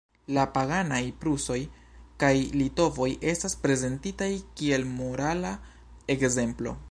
La paganaj prusoj kaj litovoj estas prezentitaj kiel morala ekzemplo.